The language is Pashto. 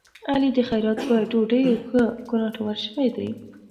علي د خیرات په ډوډيو ښه کوناټور شوی دی.